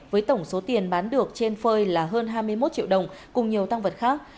với tổng số tiền bán được trên phơi là hơn hai mươi một triệu đồng cùng nhiều tăng vật khác